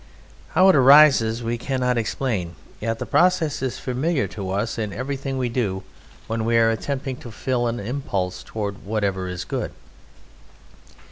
How it arises we cannot explain, yet the process is familiar to us in everything we do when we are attempting to fulfil an impulse towards whatever is good.